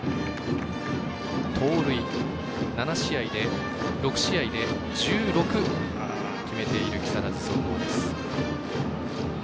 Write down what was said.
盗塁、６試合で１６決めている木更津総合です。